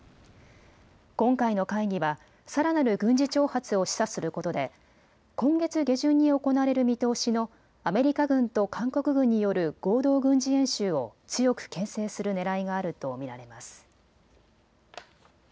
今回の会議はさらなる軍事挑発を示唆することで今月下旬に行われる見通しのアメリカ軍と韓国軍による合同軍事演習を強くけん制するねらいがあると見られます。